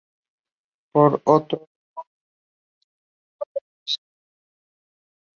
Por tanto es un diminutivo con referencia.